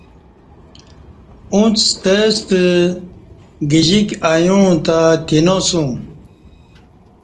اݩڅ ستہ ستہ گجِک ایوݩع تہ تِینہ سیوم